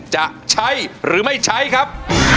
จะใช้หรือไม่ใช้ครับ